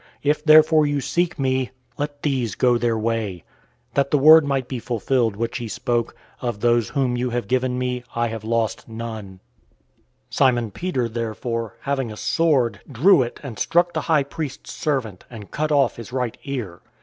If therefore you seek me, let these go their way," 018:009 that the word might be fulfilled which he spoke, "Of those whom you have given me, I have lost none."{John 6:39} 018:010 Simon Peter therefore, having a sword, drew it, and struck the high priest's servant, and cut off his right ear.